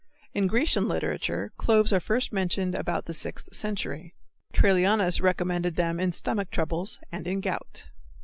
In Grecian literature cloves are first mentioned about the Sixth century. Trallianus recommended them in stomach troubles and in gout.